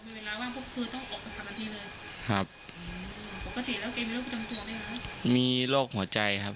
มันเป็นร้านแววพวกคือต้องเอาบัตรธรรมเองได้เลยครับพวกกฏดยแล้วกันมีโรคผลจำตัวไหมครับ